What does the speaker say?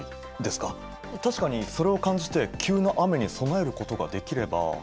確かにそれを感じて急な雨に備えることができれば。